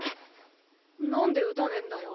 何で打たねえんだよ